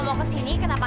kenapa kamu tak mau ke tvb